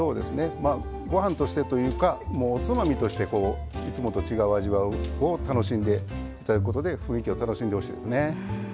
ご飯としてというかおつまみとしてこういつもと違う味わいを楽しんで頂くことで雰囲気を楽しんでほしいですね。